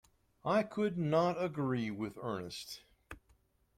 I could not agree with Ernest.